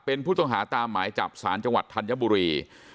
เป็นผู้ต้องหาตามหมายจับสารจังหวัดธัญบุรี